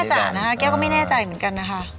จ๋านะคะแก้วก็ไม่แน่ใจเหมือนกันนะคะ